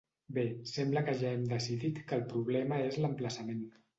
Bé, sembla que ja hem decidit que el problema és l’emplaçament.